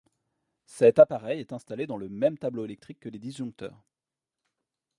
Cet appareil est installé dans le même tableau électrique que les disjoncteurs.